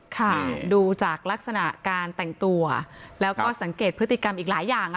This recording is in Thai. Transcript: ค่ะดูจากลักษณะการแต่งตัวแล้วก็สังเกตพฤติกรรมอีกหลายอย่าง